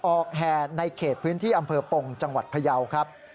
แห่ในเขตพื้นที่อำเภอปงจังหวัดพยาวครับ